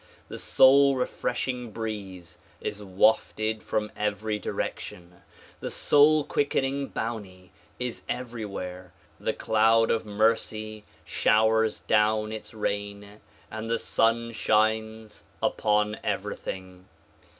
The soul refreshing breeze is wafted from every direction ; the soul quickening bounty is everywhere ; the cloud of mercy showers down its rain and the sun shines upon everything.